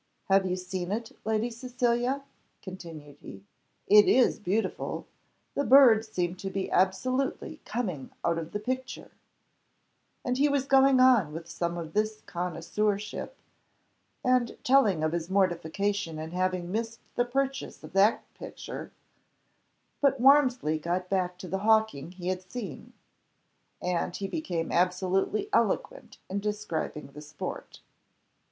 "Have you seen it, Lady Cecilia?" continued he; "it is beautiful; the birds seem to be absolutely coming out of the picture;" and he was going on with some of his connoisseurship, and telling of his mortification in having missed the purchase of that picture; but Warmsley got back to the hawking he had seen, and he became absolutely eloquent in describing the sport.